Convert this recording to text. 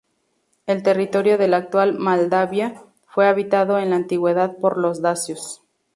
El territorio de la actual Moldavia fue habitado en la Antigüedad por los dacios.